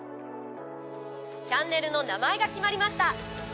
チャンネルの名前が決まりました。